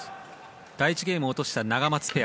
第１ゲームを落としたナガマツペア